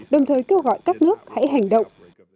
đồng thời kêu gọi các nước hãy hành động